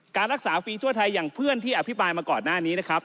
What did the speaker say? การรักษาฟรีทั่วไทยอย่างเพื่อนที่อภิปรายมาก่อนหน้านี้นะครับ